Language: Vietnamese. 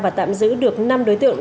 và tạm giữ được năm đối tượng